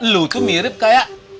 lo tuh mirip kayak